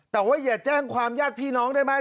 แต่ว่าอย่าแจ้งความญาติพี่น้องได้ไหม